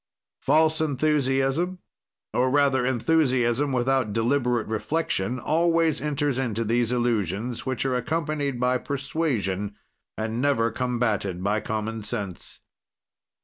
"False enthusiasm, or rather enthusiasm without deliberate reflection, always enters into these illusions, which are accompanied by persuasion and never combatted by common sense.